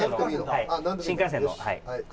新幹線のはい。